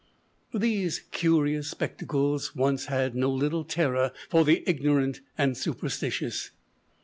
These curious spectacles once had no little terror for the ignorant and superstitious.